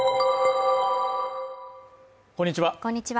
こんにちは。